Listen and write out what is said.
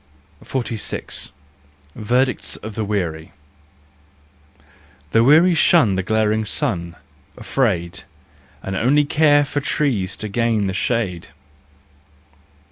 46. Verdicts of the Weary . The weary shun the glaring sun, afraid, And only care for trees to gain the shade.